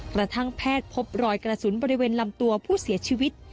กระทั่งแพทย์พบรอยกระสุนบริเวณลำตัวผู้เสียชีวิต